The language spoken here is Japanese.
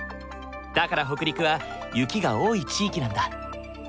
だから北陸は雪が多い地域なんだ。